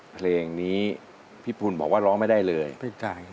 เพลงนี้พี่ปูนบอกว่าร้องไม่ได้เลยไม่ใช่